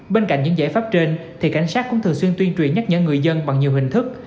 bên cạnh những giải pháp trên thì cảnh sát cũng thường xuyên tuyên truyền nhắc nhở người dân bằng nhiều hình thức